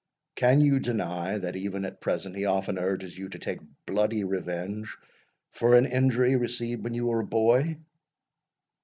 Can you deny, that even at present he often urges you to take bloody revenge for an injury received when you were a boy?"